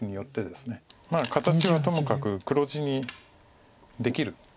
形はともかく黒地にできる。